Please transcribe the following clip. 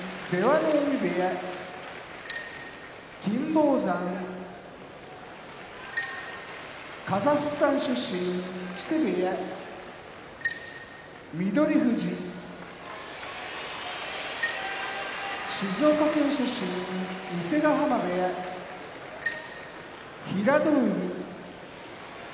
金峰山カザフスタン出身木瀬部屋翠富士静岡県出身伊勢ヶ濱部屋平戸海